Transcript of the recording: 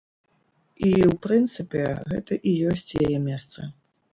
І, у прынцыпе, гэта і ёсць яе месца.